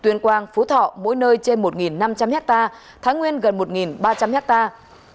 tuyên quang phú thọ mỗi nơi trên một năm trăm linh hectare thái nguyên gần một ba trăm linh hectare